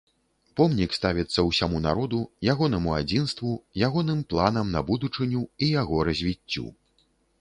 Помнік ставіцца ўсяму народу, ягонаму адзінству, ягоным планам на будучыню і яго развіццю.